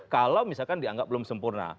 kalau misalkan dianggap belum sempurna